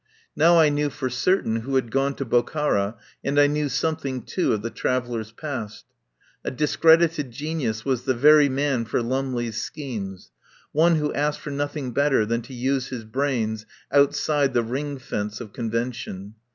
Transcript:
Now I knew for certain who had gone to Bokhara, and I knew something, too, of the traveller's past. A discredited genius was the very man for Lumley's schemes — one who asked for nothing better than to use his brains outside the ring fence of convention.